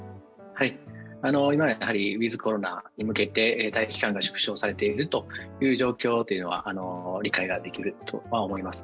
今はウィズ・コロナに向けて待機期間を縮小されていることは理解ができるとは思います。